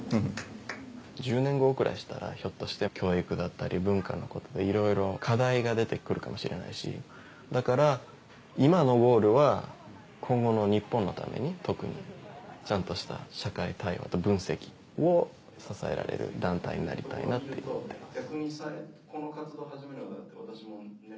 １０年後ぐらいしたらひょっとして教育だったり文化のことでいろいろ課題が出て来るかもしれないしだから今のゴールは今後の日本のために特にちゃんとした社会対応と分析を支えられる団体になりたいなって思ってます。